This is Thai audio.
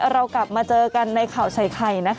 เรากลับมาเจอกันในข่าวใส่ไข่นะคะ